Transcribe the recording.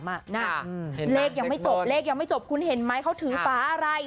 เลขยังไม่จบเลขยังไม่จบคุณเห็นไหมเขาถือฝาอะไร